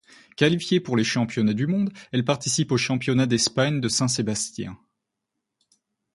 Qualifiée pour les Championnats du monde, elle participe aux Championnats d'Espagne de Saint-Sébastien.